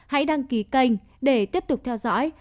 hãy đăng ký kênh để tiếp tục theo dõi